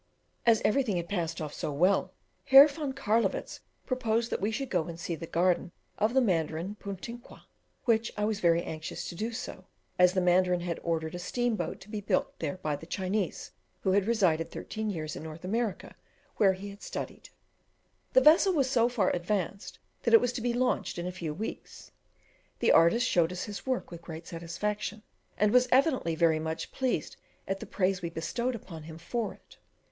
As everything had passed off so well, Herr von Carlowitz proposed that we should go and see the garden of the Mandarin Puntiqua, which I was very anxious to do, as the mandarin had ordered a steam boat to be built there by a Chinese, who had resided thirteen years in North America, where he had studied. The vessel was so far advanced that it was to be launched in a few weeks. The artist showed us his work with great satisfaction, and was evidently very much pleased at the praise we bestowed upon him for it.